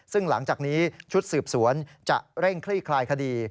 ซึ่งหลังจากนี้ชุดสืบสวนจะเร่งคลี่คลายคดี